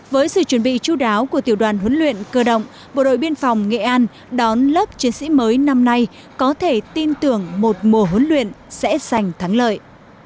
với sự chuẩn bị chú đáo của tiểu đoàn huấn luyện cơ động bộ đội biên phòng nghệ an đón lớp chiến sĩ mới năm nay có thể tin tưởng một mùa huấn luyện sẽ giành thắng lợi